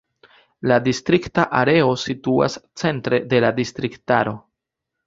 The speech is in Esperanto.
La distrikta areo situas centre de la distriktaro.